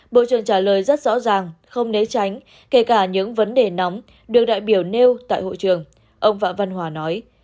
bộ trưởng trả lời rất rõ ràng không né tránh kể cả những vấn đề nóng được đại biểu nêu tại hội trường ông võ văn hòa nói